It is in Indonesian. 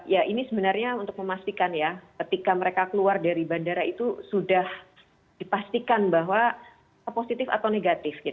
ya ini sebenarnya untuk memastikan ya ketika mereka keluar dari bandara itu sudah dipastikan bahwa positif atau negatif